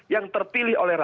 yang terpilih oleh dpr